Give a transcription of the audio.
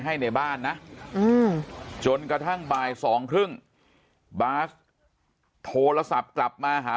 ให้ในบ้านนะจนกระทั่งบ่ายสองครึ่งบาสโทรศัพท์กลับมาหา